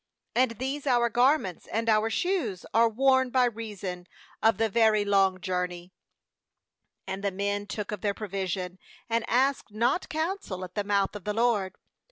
And these our garments and our shoes are worn by reason of the very long journey/ 14And the men took of their provision, and asked not counsel at the mouth of the LOBD.